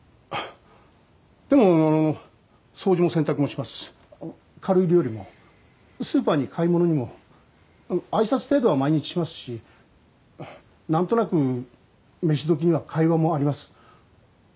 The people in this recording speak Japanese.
でも掃除も洗濯もします軽い料理もスーパーに買い物にも挨拶程度は毎日しますしなんとなく飯どきには会話もあります